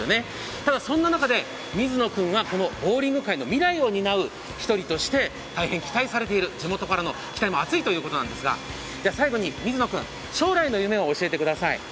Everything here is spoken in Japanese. ただそんな中で水野君がこのボウリング界の未来をになう１人として大変期待されている地元からの期待もあついということなんですが最後に水野君、将来の夢を教えてください。